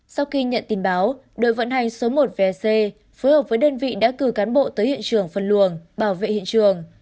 sau khi nhận tin báo đội vận hành số một vec phối hợp với đơn vị đã cử cán bộ tới hiện trường phân luồng bảo vệ hiện trường